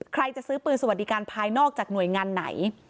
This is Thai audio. ใครจะซื้อปืนสวัสดิการภายนอกจากหน่วยงานไหน